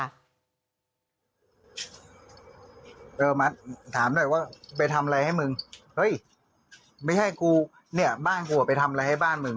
เออมาถามหน่อยว่าไปทำอะไรให้มึงเฮ้ยไม่ใช่กูเนี่ยบ้านกูอ่ะไปทำอะไรให้บ้านมึง